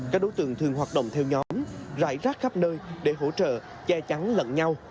các đối tượng thường hoạt động theo nhóm rải rác khắp nơi để hỗ trợ che chắn lận nhau